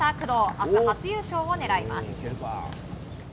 明日、初優勝を狙います。